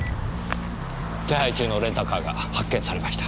手配中のレンタカーが発見されました。